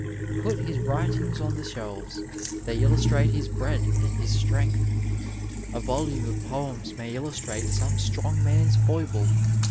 Put his writings on the shelves — ^they illustrate his breadth and his strength. A Yolume of poems may illustrate some strong man's foible.